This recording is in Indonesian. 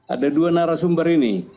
ada dua narasumber ini